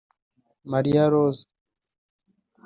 Mariya Roza